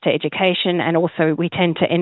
terutama di daerah pedesaan